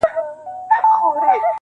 زه لرمه ډېر دولت دا هم علم هم آدب دی,